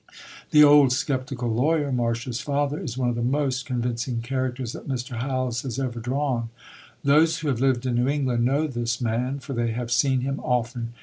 The old sceptical lawyer, Marcia's father, is one of the most convincing characters that Mr. Howells has ever drawn. Those who have lived in New England know this man, for they have seen him often.